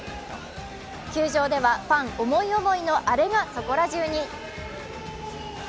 球場では、ファン思い思いのアレがそこら中に。